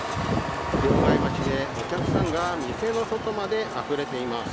両替待ちで、お客さんが店の外まであふれています。